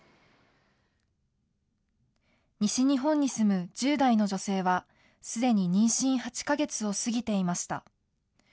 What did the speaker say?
西日本に住む１０代の女性は、すでに妊娠８か月を過ぎていました。